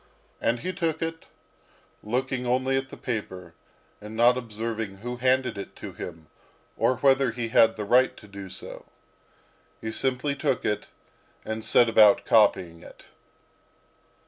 And he took it, looking only at the paper, and not observing who handed it to him, or whether he had the right to do so; simply took it, and set about copying it.